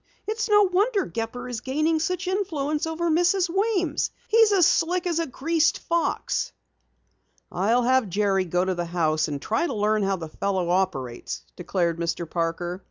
It's no wonder Gepper is gaining such influence over Mrs. Weems. He's as slick as a greased fox!" "I'll have Jerry go to the house and try to learn how the fellow operates," declared Mr. Parker.